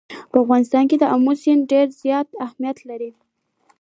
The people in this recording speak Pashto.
په افغانستان کې آمو سیند ډېر زیات اهمیت لري.